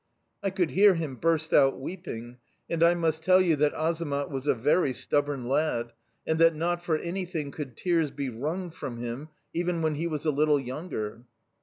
"I could hear him burst out weeping, and I must tell you that Azamat was a very stubborn lad, and that not for anything could tears be wrung from him, even when he was a little younger.